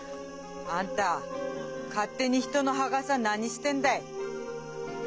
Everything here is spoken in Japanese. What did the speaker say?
あんた勝手に人の墓さ何してんだい？